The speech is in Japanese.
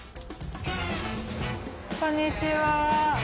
こんにちは。